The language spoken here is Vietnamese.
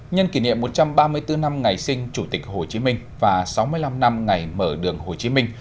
nhân kỷ niệm một trăm ba mươi bốn năm ngày sinh chủ tịch hồ chí minh và sáu mươi năm năm ngày mở đường hồ chí minh